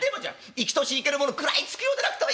生きとし生けるもの食らいつくようでなくてはいかん。